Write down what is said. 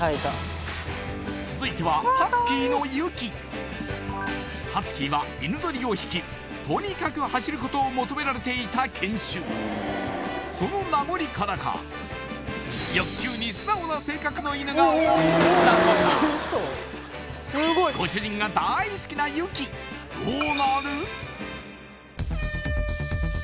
続いてはハスキーのユキハスキーは犬ぞりを引きとにかく走ることを求められていた犬種その名残からか欲求に素直な性格の犬が多いんだとかなユキおお